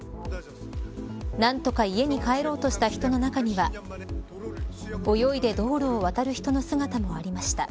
何とか家に帰ろうとした人の中には泳いで道路を渡る人の姿もありました。